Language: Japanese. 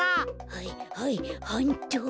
はいはいはんっと。